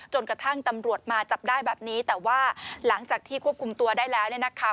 จนกระทั่งตำรวจมาจับได้แบบนี้แต่ว่าหลังจากที่ควบคุมตัวได้แล้วเนี่ยนะคะ